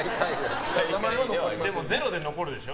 でもゼロで残るでしょ？